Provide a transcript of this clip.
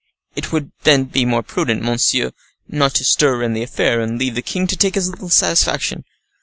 "It would then be more prudent, monsieur, not to stir in the affair, and leave the king to take this little satisfaction."